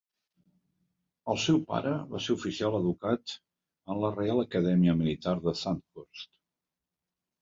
El seu pare va ser oficial educat en la Reial Acadèmia Militar de Sandhurst.